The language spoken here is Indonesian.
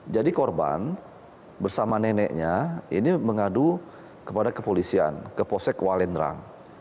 jadi korban bersama neneknya ini mengadu kepada kepolisian ke posek walendrang